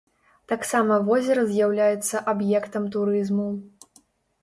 Таксама возера з'яўляецца аб'ектам турызму.